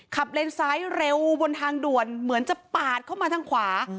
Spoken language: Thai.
เลนซ้ายเร็วบนทางด่วนเหมือนจะปาดเข้ามาทางขวา